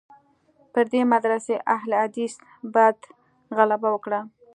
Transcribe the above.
پر دې مدرسې اهل حدیثي بعد غلبه وکړه.